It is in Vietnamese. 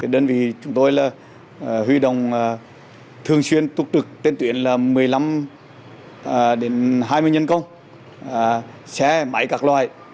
đơn vị chúng tôi là huy động thường xuyên tốt trực đến tuyến là một mươi năm đến hai mươi nhân công xe máy các loại